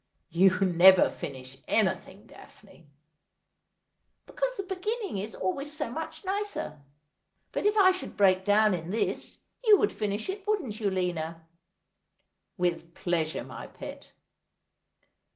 ' You never finish anything, Daphne.' ' Because the beginning is always so much nicer. But if I should break down in this, you would finish it, wouldn't you, Lina ?'' With pleasure, my pet.'